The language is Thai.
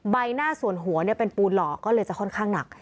ใบหน้าส่วนหัวเป็นปูนหล่อก็เลยจะค่อนข้างหนัก